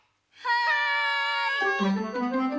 はい！